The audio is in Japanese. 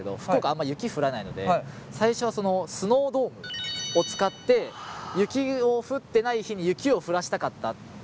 あんまり雪が降らないので最初はスノードームを使って雪の降ってない日に雪を降らしたかったっていうのが始まりで。